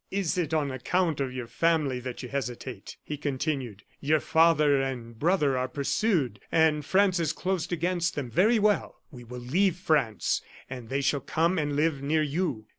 "Is it on account of your family that you hesitate?" he continued. "Your father and brother are pursued, and France is closed against them. Very well, we will leave France, and they shall come and live near you.